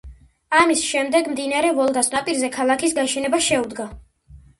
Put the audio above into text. ამის შემდეგ მდინარე ვოლგას ნაპირზე ქალაქის გაშენებას შეუდგა.